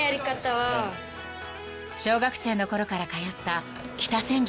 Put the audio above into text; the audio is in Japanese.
［小学生のころから通った北千住のパーク］